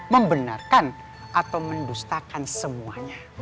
membenarkan atau mendustakan semuanya